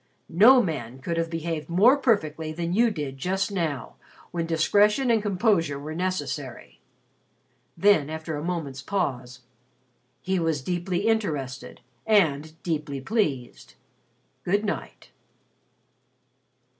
"No man could have behaved more perfectly than you did just now, when discretion and composure were necessary." Then, after a moment's pause, "He was deeply interested and deeply pleased. Good night."